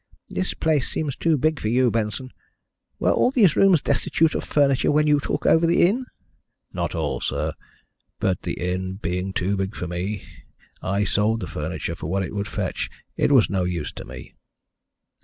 "This place seems too big for you, Benson. Were all these rooms destitute of furniture when you took over the inn?" "Not all, sir, but the inn being too big for me I sold the furniture for what it would fetch. It was no use to me."